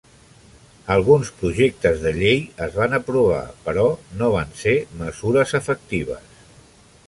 Alguns projectes de llei es van aprovar, però no van ser mesures efectives.